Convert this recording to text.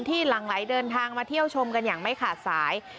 หลังไหลเดินทางมาเที่ยวชมกันอย่างไม่ขาดสาย